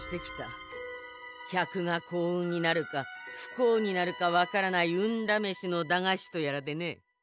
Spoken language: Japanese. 客が幸運になるか不幸になるかわからない運だめしの駄菓子とやらでね。